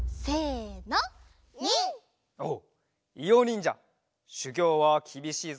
おっいおにんじゃしゅぎょうはきびしいぞ。